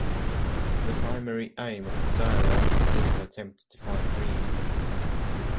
The primary aim of the dialogue is an attempt to define greed.